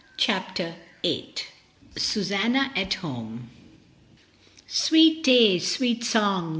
CHAPTER VIII. SUSANNA AT HOME. Sweet day, sweet songs.